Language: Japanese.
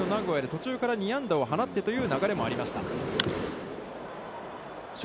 途中から２安打を放ってという流れもありました。